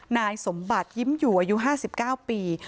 นายสมบัติยิ้มอยู่อายุ๕๙ปี